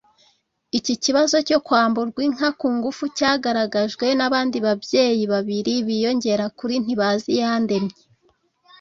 Iki kibazo cyo kwamburwa inka ku ngufu cyagaragajwe n’abandi babyeyi babiri biyongera kuri Ntibaziyandemye